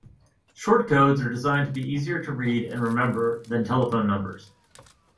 Short codes are designed to be easier to read and remember than telephone numbers.